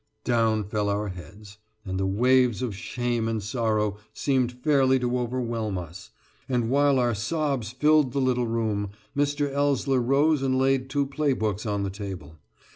Down fell our heads, and the waves of shame and sorrow seemed fairly to overwhelm us; and while our sobs filled the little room, Mr. Ellsler rose and laid two playbooks on the table.